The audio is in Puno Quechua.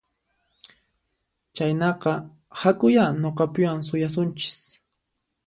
Chaynaqa hakuyá nuqapiwan suyasunchis